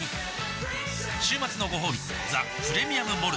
週末のごほうび「ザ・プレミアム・モルツ」